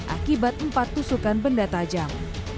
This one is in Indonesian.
akibat empat tusukan benda tajam